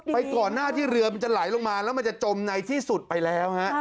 ก่อนหน้าที่เรือมันจะไหลลงมาแล้วมันจะจมในที่สุดไปแล้วฮะ